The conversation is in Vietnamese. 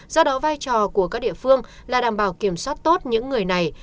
do đó vai trò của các địa phương là đảm bảo kiểm soát tốt những người này